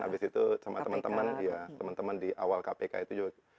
habis itu sama teman teman di awal kpk itu juga